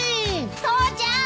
父ちゃん！